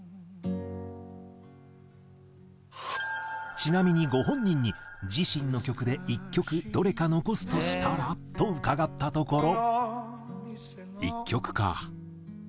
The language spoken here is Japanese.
ちなみにご本人に「自身の曲で１曲どれか残すとしたら？」と伺ったところ。